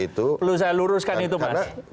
perlu saya luruskan itu mas